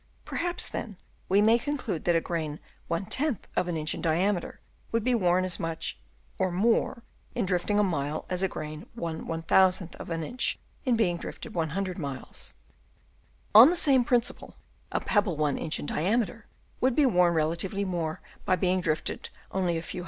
" Perhaps, then, we may conclude that a " grain T L of an inch in diameter would be " worn as much or more in drifting a mile as " a grain yoV o" °f an i ncn * n De i n g drifted " 100 miles. On the same principle a pebble " one inch in diameter would be worn re " latively more by being drifted only a few Chap.